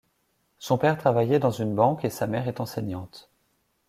Son père travaillait dans une banque et sa mère est enseignante.